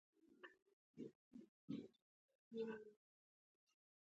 غرمه د کور د نېکمرغۍ یو ساعت دی